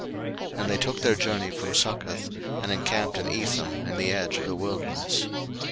02:013:020 And they took their journey from Succoth, and encamped in Etham, in the edge of the wilderness.